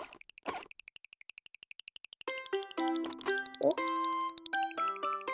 おっ！